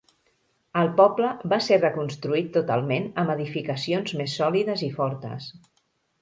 El poble va ser reconstruït totalment amb edificacions més sòlides i fortes.